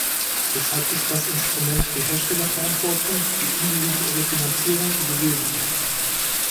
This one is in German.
Deshalb ist das Instrument der Herstellerverantwortung, die individuelle Finanzierung, so wesentlich.